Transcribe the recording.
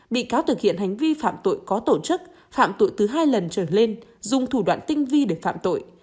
bị cáo thực hiện hành vi phạm tội có tổ chức phạm tội từ hai lần trở lên dùng thủ đoạn tinh vi để phạm tội